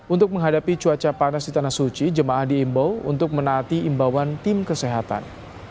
untuk menghadapi cuaca panas di tanah suci jemaah diimbau untuk menaati imbauan tim kesehatan